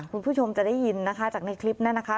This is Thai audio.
คุณผู้ชมจะได้ยินนะคะจากในคลิปนั้นนะคะ